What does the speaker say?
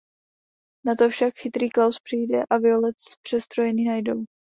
Na to však chytrý Klaus přijde a Violet v přestrojení najdou.